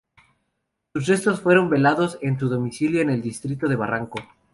Sus restos fueron velados en su domicilio, en el distrito de Barranco.